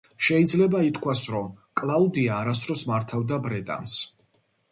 შეიძლება ითქვას, რომ კლაუდია არასდროს მართავდა ბრეტანს.